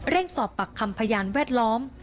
เร่งสอบปักคำพยานแวดล้อม